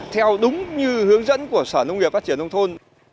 theo đúng như hướng dẫn của sở nông nghiệp phát triển nông thôn